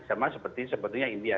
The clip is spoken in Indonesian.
sama seperti sebetulnya india